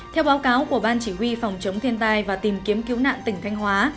theo báo cáo của ban chỉ huy phòng chống thiên tai và tìm kiếm cứu nạn tỉnh thanh hóa